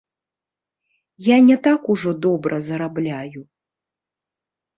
Я не так ужо добра зарабляю.